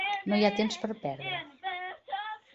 No hi ha temps per perdre.